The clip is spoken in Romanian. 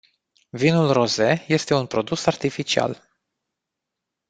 Vinul rosé este un produs artificial.